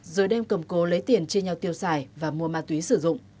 rồi đem cầm cố lấy tiền chia nhau tiêu xài và mua ma túy sử dụng